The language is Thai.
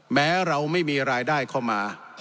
แม้เราไม่มีรายได้เข้ามา